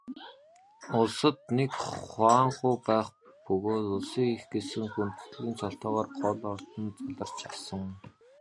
Улсад нэг хуанху байх бөгөөд Улсын эх гэсэн хүндэтгэлийн цолтойгоор гол ордонд заларч асан.